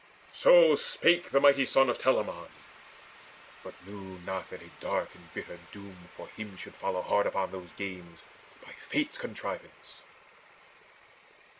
So spake the mighty son of Telamon, But knew not that a dark and bitter doom For him should follow hard upon those games By Fate's contrivance.